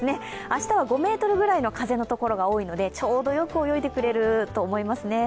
明日は５メートルぐらいの風のところが多いのでちょうどよく泳いでくれると思いますね。